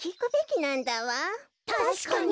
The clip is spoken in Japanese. たしかに。